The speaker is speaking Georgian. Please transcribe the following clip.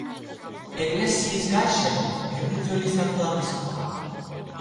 ეკლესიის გარშემო ბევრი ძველი საფლავის ქვაა.